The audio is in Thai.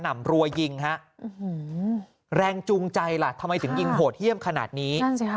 ไม่จูงใจล่ะทำไมถึงอิงโหดเยี่ยมขนาดนี้